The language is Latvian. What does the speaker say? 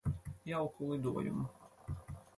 Jauku lidojumu.